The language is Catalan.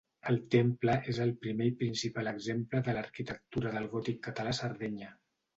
El temple és el primer i principal exemple de l'arquitectura del gòtic català a Sardenya.